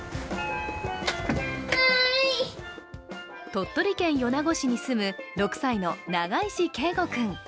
鳥取県米子市に住む６歳の永石恵梧君。